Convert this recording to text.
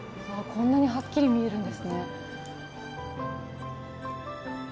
こんなにはっきり見えるんですね。